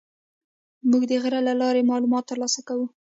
موږ د غږ له لارې معلومات تر لاسه کوو.